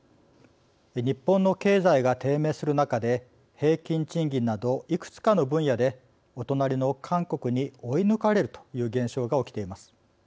日本の経済が低迷する中で平均賃金など、いくつかの分野でお隣の韓国に追い抜かれるという現象が起きています。